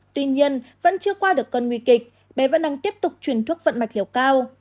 tuy nhiên vẫn chưa qua được cơn nguy kịch bé vẫn đang tiếp tục chuyển thuốc vận mạch liều cao